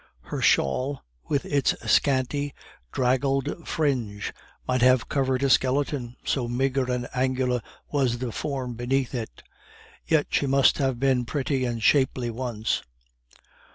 Her shawl, with its scanty, draggled fringe, might have covered a skeleton, so meagre and angular was the form beneath it. Yet she must have been pretty and shapely once.